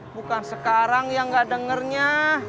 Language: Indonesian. bukan sekarang yang gak dengernya